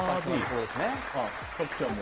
角ちゃんも。